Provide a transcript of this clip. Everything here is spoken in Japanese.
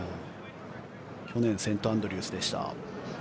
去年セントアンドリュースでした。